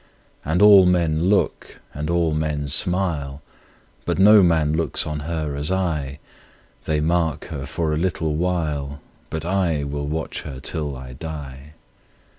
And all men look, and all men smile, But no man looks on her as I:They mark her for a little while, But I will watch her till I die.